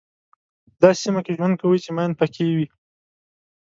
په داسې سیمه کې ژوند کوئ چې ماین پکې وي.